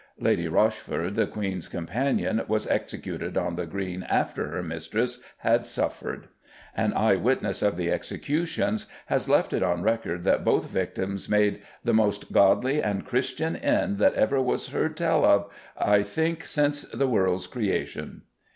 Lady Rochford, the Queen's companion, was executed on the Green after her mistress had suffered. An eye witness of the executions has left it on record that both victims made "the moost godly and chrystian end that ever was heard tell of, I thynke sins the world's creation."